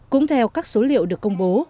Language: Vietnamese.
cũng theo các số liệu được công bố